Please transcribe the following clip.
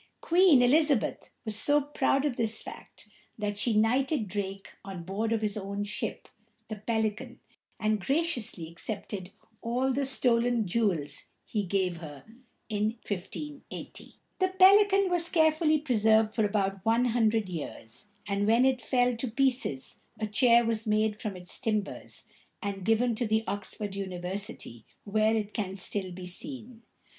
Queen E liz´a beth was so proud of this fact that she knighted Drake on board of his own ship, the Pelican, and graciously accepted all the stolen jewels he gave her (1580). [Illustration: The Pelican Chair.] The Pelican was carefully preserved for about one hundred years, and when it fell to pieces a chair was made from its timbers, and given to the Oxford University, where it can still be seen.